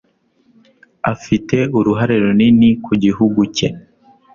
Afite uruhare runini ku gihugu cye.